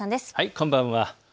こんばんは。